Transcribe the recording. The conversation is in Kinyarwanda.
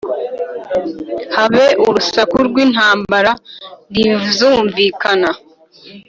habe urusaku rw’intambara rizumvikana